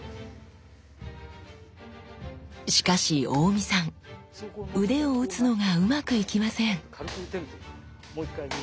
しかし大見さん腕を打つのがうまくいきません。